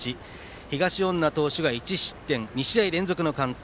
東恩納投手が１失点２試合連続の完投。